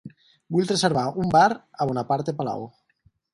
Vull reservar un bar a Bonaparte Palau.